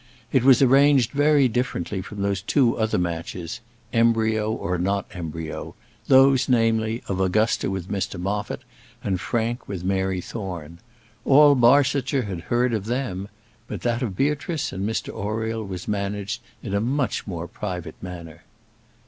It was arranged very differently from those two other matches embryo, or not embryo, those, namely, of Augusta with Mr Moffat, and Frank with Mary Thorne. All Barsetshire had heard of them; but that of Beatrice and Mr Oriel was managed in a much more private manner.